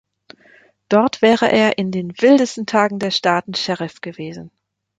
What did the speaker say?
Dort wäre er „in den wildesten Tagen der Staaten“ Sheriff gewesen.